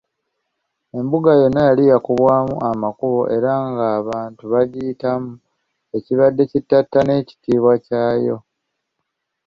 Embuga yonna yali yakubwamu amakubo era nga abantu bagayitamu, ekibadde kittattana ekitiibwa kyayo.